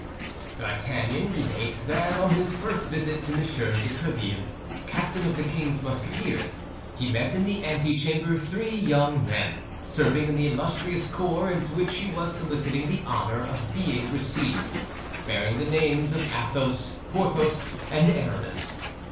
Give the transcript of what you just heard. D'Artagnan relates that on his first visit to M. de Tréville, captain of the king's Musketeers, he met in the antechamber three young men, serving in the illustrious corps into which he was soliciting the honor of being received, bearing the names of Athos, Porthos, and Aramis.